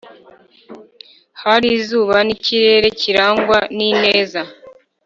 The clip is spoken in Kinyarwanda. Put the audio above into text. hari izuba n’ikirere kirangwa n’ineza.